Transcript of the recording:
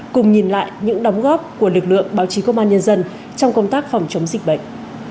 cùng nhìn lại những đóng góp của lực lượng báo chí công an nhân dân trong công tác phòng chống dịch bệnh